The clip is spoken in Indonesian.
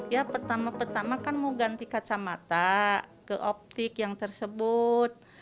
ya pertama pertama kan mau ganti kacamata ke optik yang tersebut